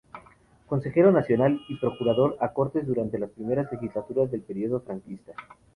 Consejero Nacional y procurador a Cortes durante las primeras legislaturas del período franquista.